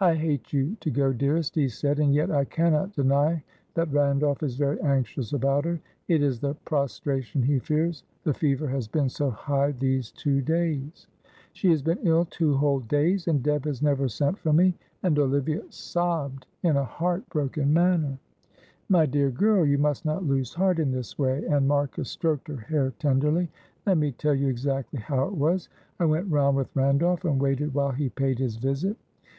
"I hate you to go, dearest," he said, "and yet I cannot deny that Randolph is very anxious about her. It is the prostration he fears; the fever has been so high these two days." "She has been ill two whole days, and Deb has never sent for me," and Olivia sobbed in a heart broken manner. "My dear girl, you must not lose heart in this way," and Marcus stroked her hair tenderly. "Let me tell you exactly how it was. I went round with Randolph and waited while he paid his visit.